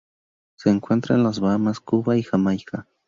Se encuentra en las Bahamas, Cuba y Jamaica.